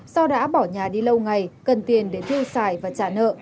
do đã bỏ nhà đi lâu ngày cần tiền để tiêu xài và trả nợ